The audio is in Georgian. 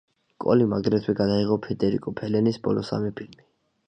კოლიმ აგრეთვე გადაიღო ფედერიკო ფელინის ბოლო სამი ფილმი.